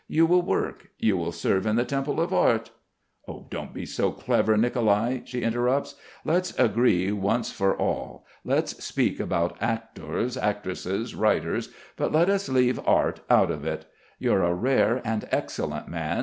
You will work; you will serve in the temple of art."... "Don't be so clever, Nicolai," she interrupts. "Let's agree once for all: let's speak about actors, actresses, writers, but let us leave art out of it. You're a rare and excellent man.